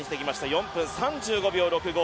４分３５秒６５。